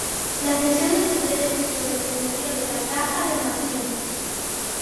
La cesión de sus derechos sobre el señorío de la Taha de Marchena.